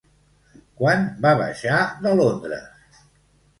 Quan va baixar de Londres?